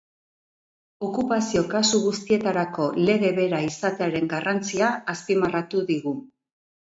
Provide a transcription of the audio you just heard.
Okupazio kasu guztietarako lege bera izatearen garrantzia azpimarratu digu.